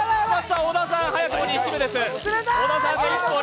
小田さん、早くも２匹目です。